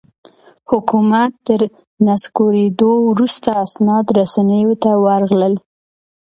حکومت تر نسکورېدو وروسته اسناد رسنیو ته ورغلل.